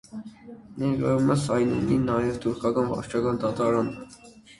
Ներկայումս այն ունի նաև թուրքական վարչական դատարան։